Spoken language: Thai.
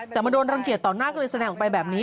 แต่มันโดนรังเกียจต่อหน้าก็เลยแสดงออกไปแบบนี้